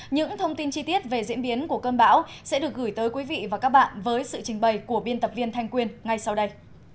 những thông tin chi tiết về diễn biến của cơn bão sẽ được gửi tới quý vị và các bạn với sự trình bày của biên tập viên thanh quyên ngay sau đây